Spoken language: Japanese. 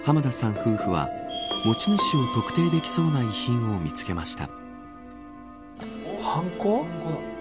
夫婦は、持ち主を特定できそうな遺品を見つけました。